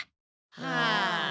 はあ。